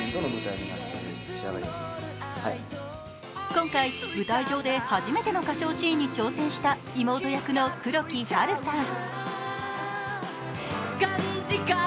今回、舞台上で初めての歌唱シーンに挑戦した妹役の黒木華さん。